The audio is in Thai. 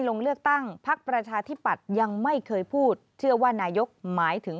ลงเลือกตั้งพักประชาธิปัตย์ยังไม่เคยพูดเชื่อว่านายกหมายถึง